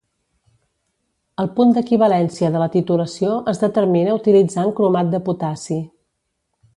El punt d'equivalència de la titulació es determina utilitzant cromat de potassi.